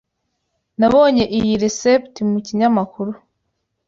Nabonye iyi resept mu kinyamakuru.